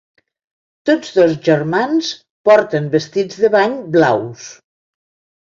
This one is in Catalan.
Tots dos germans porten vestits de bany blaus.